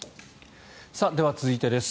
では、続いてです。